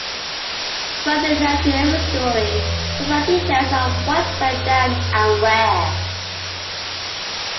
Friday narrated every story, providing details of what went down and where.